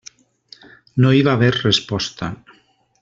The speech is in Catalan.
No hi va haver resposta.